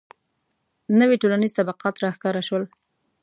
• نوي ټولنیز طبقات راښکاره شول.